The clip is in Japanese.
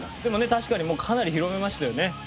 確かにもうかなり広めましたよね。